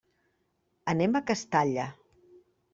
Anem a Castalla.